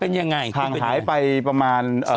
หายไปประมาณ